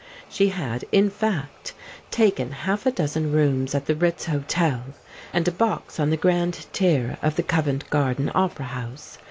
She had, in fact, taken half a dozen rooms at the Ritz Hotel and a box on the grand tier of the Covent Garden Opera House.